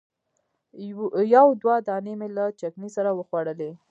یو دوه دانې مې له چکني سره وخوړلې.